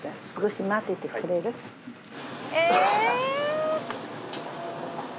え